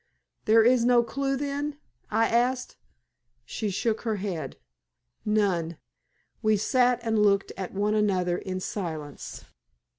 "There is no clue, then?" I asked. She shook her head. "None." We sat and looked at one another in silence.